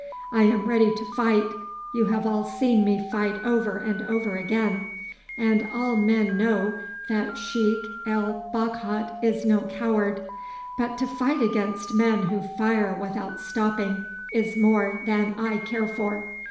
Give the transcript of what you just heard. I am ready to fight; you have all seen me fight over and over again, and all men know that Sheik El Bakhat is no coward; but to fight against men who fire without stopping is more than I care for.